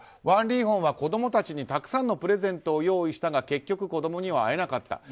ワン・リーホンは子供たちにたくさんのプレゼントを用意したが結局、子供には会えなかった。